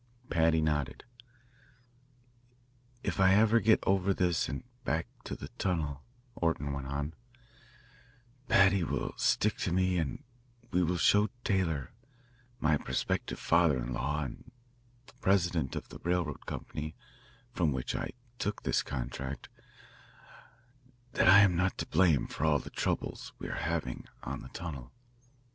Paddy nodded. "If I ever get over this and back to the tunnel," Orton went on, "Paddy will stick to me, and we will show Taylor, my prospective father in law and the president of the railroad company from which I took this contract, that I am not to blame for all the troubles we are having on the tunnel.